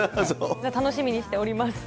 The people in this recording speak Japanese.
楽しみにしております。